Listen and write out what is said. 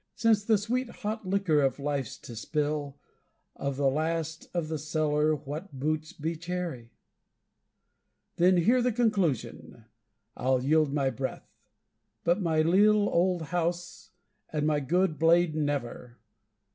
Since the sweet hot liquor of life's to spill, Of the last of the cellar what boots be chary? Then hear the conclusion: I'll yield my breath, But my leal old house and my good blade never!